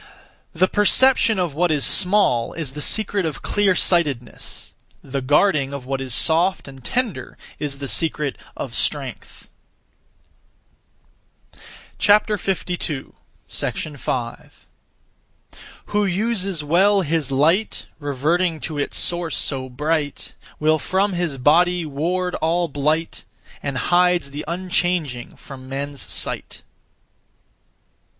The perception of what is small is (the secret of) clear sightedness; the guarding of what is soft and tender is (the secret of) strength. 5. Who uses well his light, Reverting to its (source so) bright, Will from his body ward all blight, And hides the unchanging from men's sight.